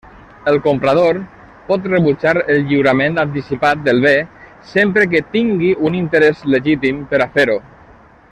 El comprador pot rebutjar el lliurament anticipat del bé sempre que tingui un interès legítim per a fer-ho.